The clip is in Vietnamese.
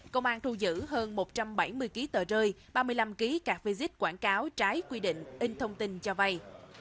công an thu giữ hơn một trăm bảy mươi ký tờ rơi ba mươi năm ký cạt visit quảng cáo trái quy định in thông tin cho vai